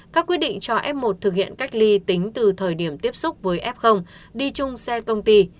các quyết định cho f một thực hiện cách ly tính từ thời điểm tiếp xúc với f đi chung xe công ty